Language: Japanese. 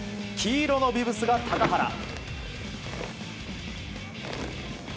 黄色のビブスが高原。